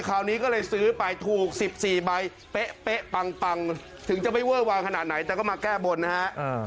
คราวนี้ก็เลยซื้อไปถูก๑๔ใบเป๊ะปังถึงจะไม่เวอร์วางขนาดไหนแต่ก็มาแก้บนนะฮะ